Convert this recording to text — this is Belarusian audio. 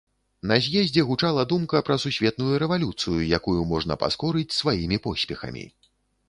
На з'ездзе гучала думка пра сусветную рэвалюцыю, якую можна паскорыць сваімі поспехамі.